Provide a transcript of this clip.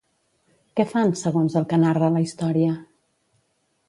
Què fan, segons el que narra la història?